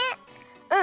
うん！